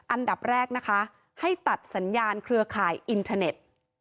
อันดับแรกนะคะให้ตัดสัญญาณเครือข่ายอินเทอร์เน็ต